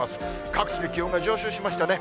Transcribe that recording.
各地で気温が上昇しましたね。